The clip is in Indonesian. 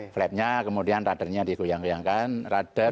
flapnya kemudian rudernya di kuyang kyangkan rudder flap